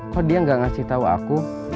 kok dia gak ngasih tahu aku